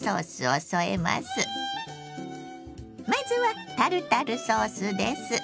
まずはタルタルソースです。